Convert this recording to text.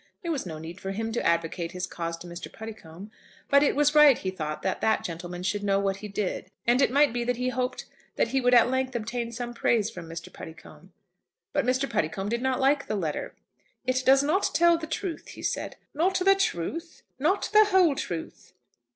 There was no need for him to advocate his cause to Mr. Puddicombe. But it was right, he thought, that that gentleman should know what he did; and it might be that he hoped that he would at length obtain some praise from Mr. Puddicombe. But Mr. Puddicombe did not like the letter. "It does not tell the truth," he said. "Not the truth!" "Not the whole truth."